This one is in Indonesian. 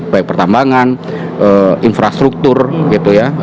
baik pertambangan infrastruktur gitu ya